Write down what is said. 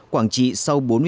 quảng trị sau bốn mươi ba năm